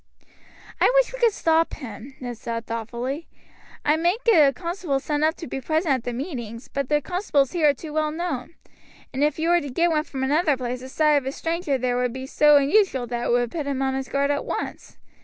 "I wish we could stop him," Ned said thoughtfully. "I might get a constable sent up to be present at the meetings, but the constables here are too well known, and if you were to get one from another place the sight of a stranger there would be so unusual that it would put him on his guard at once.